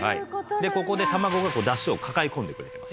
でここで卵が出汁を抱え込んでくれてますからね。